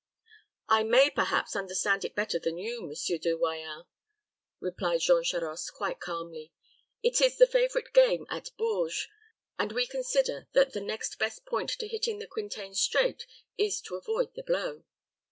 "I may, perhaps, understand it better than you, Monsieur De Royans," replied Jean Charost, quite calmly. "It is the favorite game at Bourges, and we consider that the next best point to hitting the Quintain straight, is to avoid the blow."